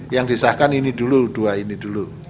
yang disahkan ini dulu dua ini dulu